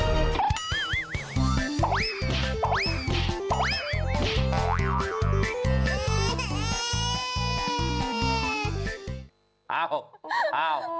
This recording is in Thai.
แม่แม่แม่แม่แม่